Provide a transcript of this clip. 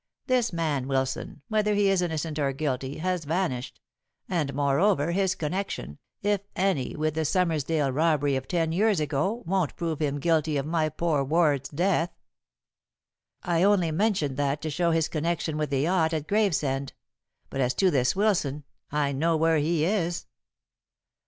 This man Wilson, whether he is innocent or guilty, has vanished; and, moreover, his connection, if any, with the Summersdale robbery of ten years ago won't prove him guilty of my poor ward's death." "I only mentioned that to show his connection with the yacht at Gravesend. But as to this Wilson, I know where he is."